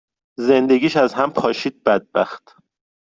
زندگیش از هم پاشید بدبخت.